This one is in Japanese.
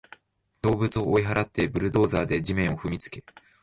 動物を追い払って、ブルドーザーで地面を踏みつけ